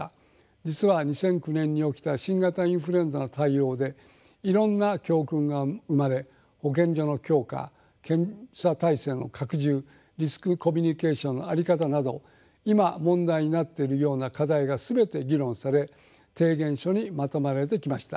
実は２００９年に起きた新型インフルエンザの対応でいろんな教訓が生まれ保健所の強化検査体制の拡充リスクコミュニケーションの在り方など今問題になっているような課題が全て議論され提言書にまとめられてきました。